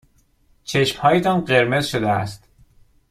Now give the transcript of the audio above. چشمهایتان قرمز شده است.